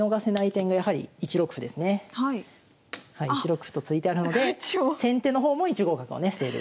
１六歩と突いてあるので先手の方も１五角をね防いでるということで。